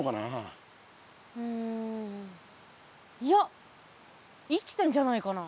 うんいや生きてんじゃないかな。